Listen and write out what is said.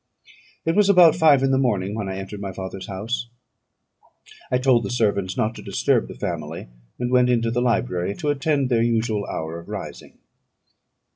It was about five in the morning when I entered my father's house. I told the servants not to disturb the family, and went into the library to attend their usual hour of rising.